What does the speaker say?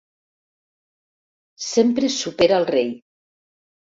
Sempre supera el rei.